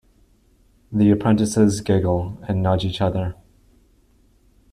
The apprentices giggle, and nudge each other.